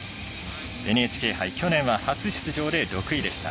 ＮＨＫ杯、去年は初出場で６位でした。